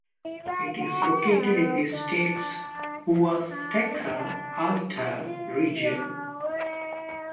It is located in the state's Huasteca Alta region.